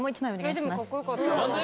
何で？